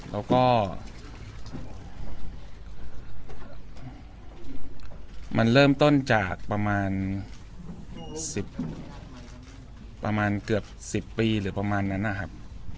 แล้วก็มันเริ่มต้นจากประมาณ๑๐ประมาณเกือบ๑๐ปีหรือประมาณนั้นนะครับ